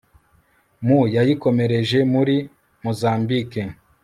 mu yayikomereje muri mozambike